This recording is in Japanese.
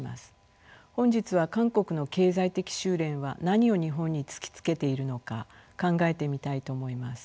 本日は韓国の経済的収斂は何を日本に突きつけているのか考えてみたいと思います。